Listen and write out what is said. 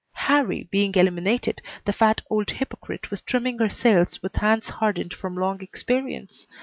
Harrie being eliminated, the fat old hypocrite was trimming her sails with hands hardened from long experience.